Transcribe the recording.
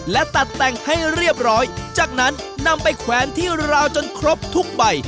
และตัดแต่งให้เรียบร้อยจากนั้นนำไปแขวนที่ราวจนครบทุกใบ